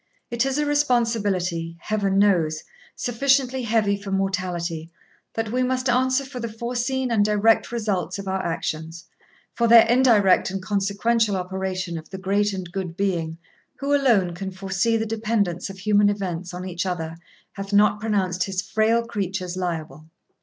It is a responsibility, Heaven knows, sufficiently heavy for mortality, that we must answer for the foreseen and direct result of our actions; for their indirect and consequential operation the great and good Being, who alone can foresee the dependence of human events on each other, hath not pronounced his frail creatures liable.'